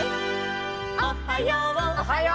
「おはよう」「」